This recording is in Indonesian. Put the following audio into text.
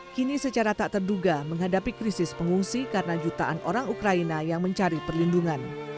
kini secara tak terduga menghadapi krisis pengungsi karena jutaan orang ukraina yang mencari perlindungan